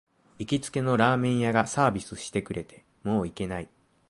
行きつけのラーメン屋がサービスしてくれて、もう行けない